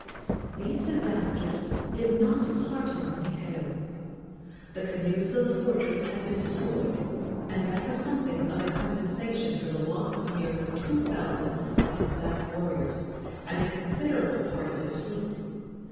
These disasters did not dishearten Niheu. The canoes of the fortress had been destroyed, and that was something of a compensation for the loss of nearly two thousand of his best warriors and a considerable part of his fleet.